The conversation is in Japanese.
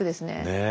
ねえ。